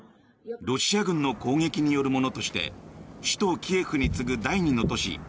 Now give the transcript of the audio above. ロシア軍の攻撃によるものとして首都キエフに次ぐ第２の都市